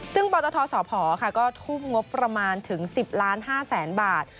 ซึ่งปตทสพค่ะก็ทุ่มงบประมาณถึง๑๐๕๐๐๐๐๐บาท